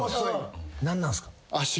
何なんすか？